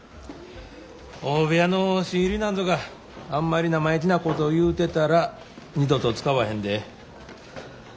大部屋の新入りなんぞがあんまり生意気なことを言うてたら二度と使わへんで。